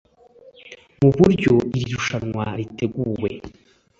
Mu buryo iri rushanwa riteguwe